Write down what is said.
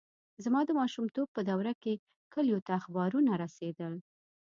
زما د ماشومتوب په دوره کې کلیو ته اخبارونه نه رسېدل.